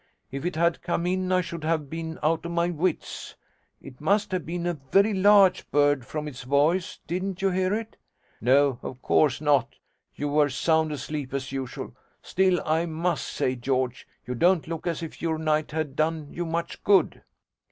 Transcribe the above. If it had come in I should have been out of my wits: it must have been a very large bird, from its voice. Didn't you hear it? No, of course not, you were sound asleep as usual. Still, I must say, George, you don't look as if your night had done you much good.'